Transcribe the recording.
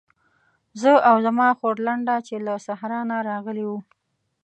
زه او زما خورلنډه چې له صحرا نه راغلې وو.